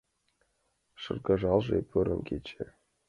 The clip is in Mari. Шыргыжале порын кече.